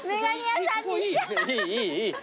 いいいいいい。